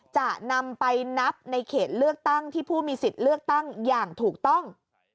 จะนำไปนับในเขตเลือกตั้งที่ผู้มีสิทธิ์เลือกตั้งอย่างถูกต้อง